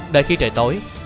đợi khi trời tối